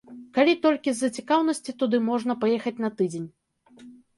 Калі толькі з-за цікаўнасці туды можна паехаць на тыдзень.